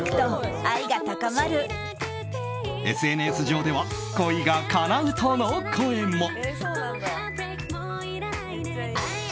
ＳＮＳ上では恋がかなうとの声も。